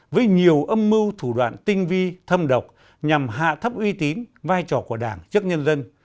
với nhiều âm mưu thủ đoạn tinh vi thâm độc nhằm hạ thấp uy tín vai trò của đảng trước nhân dân